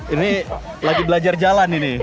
ini lagi belajar jalan ini